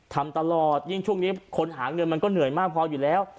ทำตลอดยิ่งช่วงนี้คนหาเงินมันก็เหนื่อยมากพออยู่แล้ว